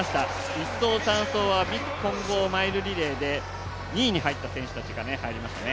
１走、３走は混合マイルリレーで２位に入った選手たちが入りましたね。